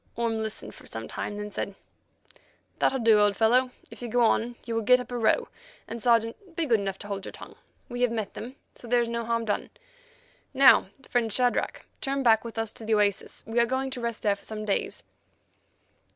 Orme listened for some time, then said: "That'll do, old fellow; if you go on, you will get up a row, and, Sergeant, be good enough to hold your tongue. We have met them, so there is no harm done. Now, friend Shadrach, turn back with us to the oasis. We are going to rest there for some days."